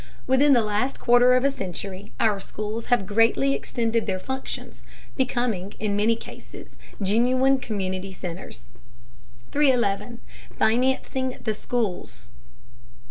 Within the last quarter of a century our schools have greatly extended their functions, becoming, in many cases, genuine community centers. 311. FINANCIANG THE SCHOOLS.